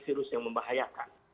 virus yang membahayakan